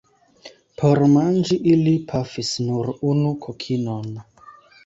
Por manĝi ili pafis nur unu kokinon.